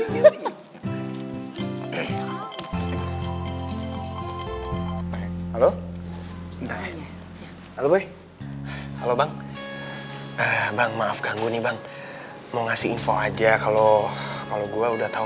halo banyak halo bang bang maaf ganggu nih bang mau ngasih info aja kalau kalau gue udah tahu